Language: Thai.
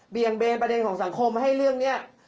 เบนประเด็นของสังคมให้เรื่องนี้